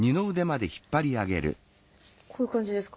こういう感じですか？